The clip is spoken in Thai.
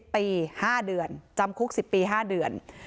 ปี๕เดือนจำคุก๑๐ปี๕เดือน